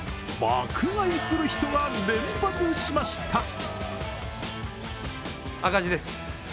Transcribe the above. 爆買いする人が連発しました。